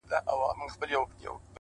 او په لوړ ږغ په ژړا سو،